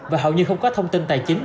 và hầu như không có thông tin tài chính